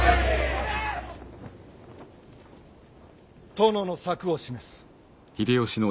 殿の策を示す。